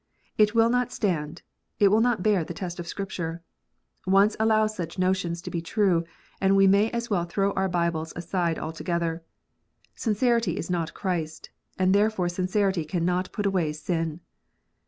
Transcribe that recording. It will not stand : it will not bear the test of Scripture. Once allow such notions to be true, and we may as well throw our Bibles aside altogether. Sincerity is not Christ, and therefore sincerity cannot put away sin.